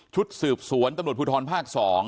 ชุดสืบสวนตำรวจภูทรภาค๒